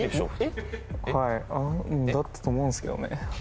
・はいだったと思うんすけどね